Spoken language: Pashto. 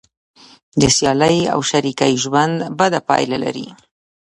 د سیالۍ او شریکۍ ژوند بده پایله لري.